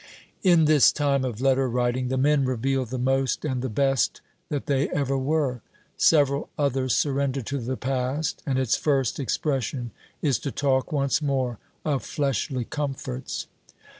In this time of letter writing, the men reveal the most and the best that they ever were. Several others surrender to the past, and its first expression is to talk once more of fleshly comforts.